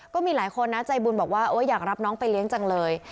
ก็มีหลายคนนะใจบุญบอกว่าอยากรับน้องไปเลี้ยงจังเลย